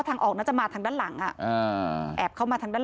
ทำเกณฑ์หาถอดนึงนึงนั่นระหว่างนั้น